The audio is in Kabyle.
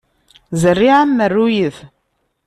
Zerriɛa n merruyet.